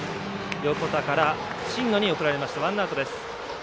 横田から新野に送られてワンアウトです。